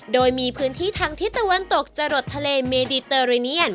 โดยมีพื้นที่ทางทิศตะวันตกจะหลดทะเลเมดิเตอร์เรเนียน